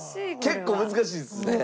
結構難しいですね。